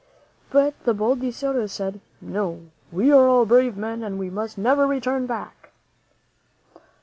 But the bold De Soto said, "No; we are all brave men and we must never turn back."